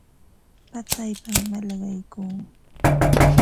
Pasaypam mallaqaykuu.